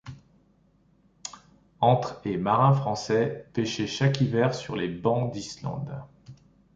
Entre et marins Français pêchaient chaque hiver sur les bancs d'Islande.